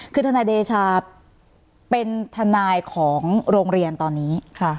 คือทนายเดชาเป็นทนายของโรงเรียนตอนนี้